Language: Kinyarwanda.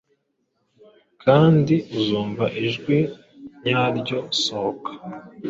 kandi uzumva ijwi ryayo Sohoka,